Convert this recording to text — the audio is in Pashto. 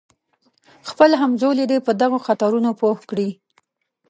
خپل همزولي دې په دغو خطرونو پوه کړي.